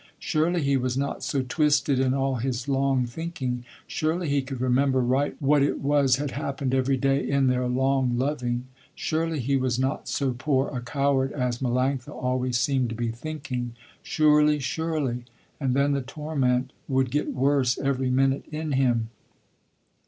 Surely he was not so twisted in all his long thinking. Surely he could remember right what it was had happened every day in their long loving. Surely he was not so poor a coward as Melanctha always seemed to be thinking. Surely, surely, and then the torment would get worse every minute in him.